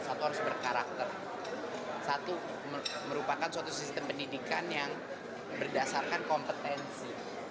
satu harus berkarakter satu merupakan suatu sistem pendidikan yang berdasarkan kompetensi